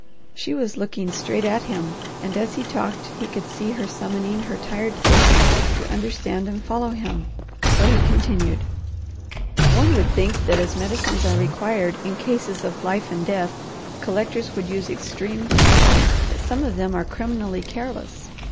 She was looking straight at him, and as he talked he could see her summoning her tired forces to understand and follow him, so he continued: "One would think that as medicines are required in cases of life and death, collectors would use extreme caution, but some of them are criminally careless.